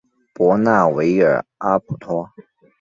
博纳维尔阿普托。